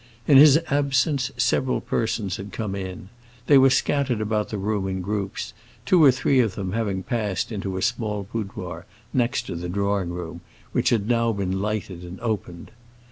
In his absence several persons had come in. They were scattered about the room in groups, two or three of them having passed into a small boudoir, next to the drawing room, which had now been lighted and opened.